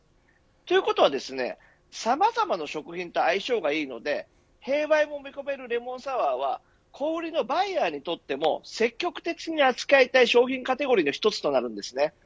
ということは、さまざまな食品と相性がいいので併売も見込めるレモンサワ―は小売りのバイヤーにとっても積極的に扱いたい商品カテゴリーの１つとなります。